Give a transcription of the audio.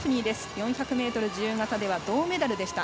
４００ｍ自由形では銅メダルでした。